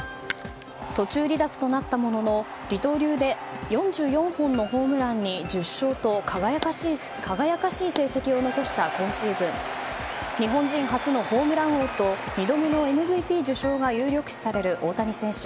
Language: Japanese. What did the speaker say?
途中離脱となったものの二刀流で４４本のホームランに１０勝と輝かしい成績を残した今シーズン日本人初のホームラン王と２度目のＭＶＰ受賞が有力視される大谷選手。